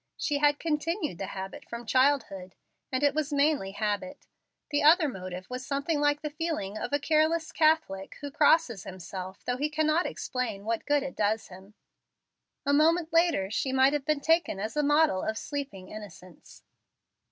She had continued the habit from childhood, and it was mainly habit. The other motive was something like the feeling of a careless Catholic, who crosses himself, though he cannot explain what good it does him. A moment later she might have been taken as a model of sleeping innocence.